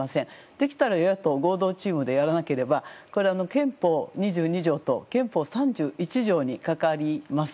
できれば与野党合同チームでやらなければこれは憲法２２条と憲法３１条に関わります。